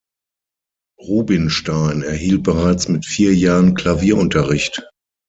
Rubinstein erhielt bereits mit vier Jahren Klavierunterricht.